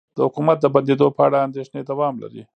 د حکومت د بندیدو په اړه اندیښنې دوام لري